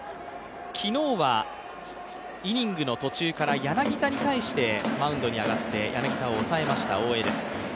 昨日はイニングの途中から柳田に対して、マウンドに上がって、柳田を抑えました、大江です。